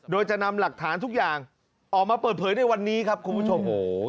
โดยจะนำหลักฐานทุกอย่างออกมาเปิดเผยในวันนี้ครับคุณผู้ชม